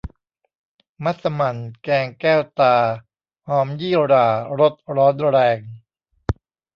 มัสหมั่นแกงแก้วตา หอมยี่หร่ารสร้อนแรง